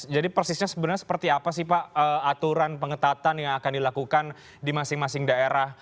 jadi persisnya seperti apa sih pak aturan pengetatan yang akan dilakukan di masing masing daerah